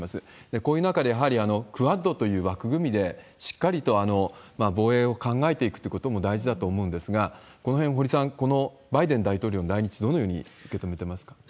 こういう中でやはり、クアッドという枠組みでしっかりと防衛を考えていくということも大事だと思うんですが、このへん、堀さん、このバイデン大統領の来日、どのように受け止めてますか？